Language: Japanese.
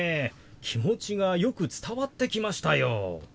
気持ちがよく伝わってきましたよ。